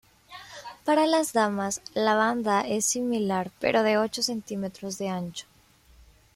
Para las damas, la banda es similar, pero de ocho centímetros de ancho.